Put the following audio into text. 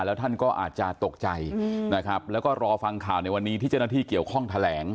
แล้วท่านก็อาจจะตกใจนะครับแล้วก็รอฟังข่าวในวันนี้ที่เจ้าหน้าที่เกี่ยวข้องแถลง